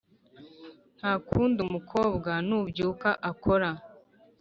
Ntakundi umukobwa nubyuka akora